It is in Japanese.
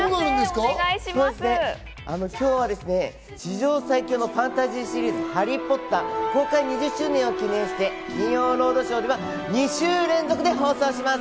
今日はですね、史上最強のファンタジーシリーズ『ハリー・ポッター』公開２０周年を記念して『金曜ロードショー』では２週連続で放送します。